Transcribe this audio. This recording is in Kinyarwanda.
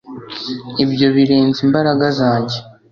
ibyo birenze imbaraga zanjye